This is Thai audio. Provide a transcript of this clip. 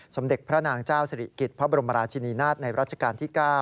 สมเด็จพระนางเจ้าสิริกิจพระบรมราชินีนาฏในรัชกาลที่๙